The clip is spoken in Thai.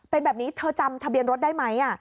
เป็นแบบนี้เธอจำทะเบียนรถได้ไหม